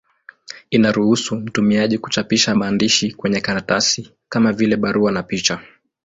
Inaruhusu mtumiaji kuchapisha maandishi kwenye karatasi, kama vile barua na picha.